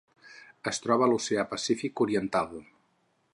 Es troba a l'Oceà Pacífic oriental: